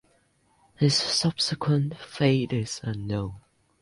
His subsequent fate is unknown.